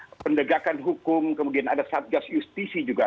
ada pendegakan hukum kemudian ada satgas justisi juga